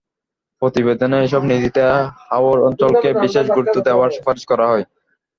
প্রতিবেদনে এসব নীতিতে হাওর অঞ্চলকে বিশেষ গুরুত্ব দেওয়ার সুপারিশ করা হয়।